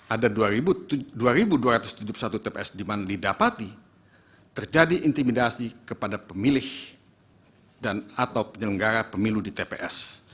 ada dua dua ratus tujuh puluh satu tps di mana didapati terjadi intimidasi kepada pemilih dan atau penyelenggara pemilu di tps